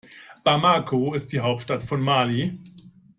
Bamako ist die Hauptstadt von Mali.